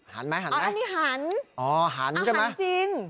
หันไหมไหมอ๋อหันใช่ไหมอ๋อหันจริง